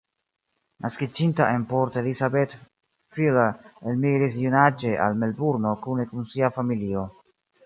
Naskiĝinta en Port Elizabeth, Fuller elmigris junaĝe al Melburno kune kun sia familio.